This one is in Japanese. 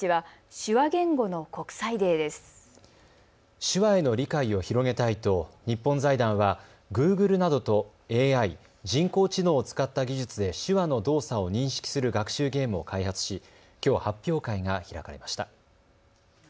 手話への理解を広げたいと日本財団はグーグルなどとＡＩ・人工知能を使った技術で手話の動作を認識する学習ゲームを開発しきょう発表会が開かれました。